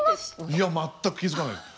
いや全く気付かないです。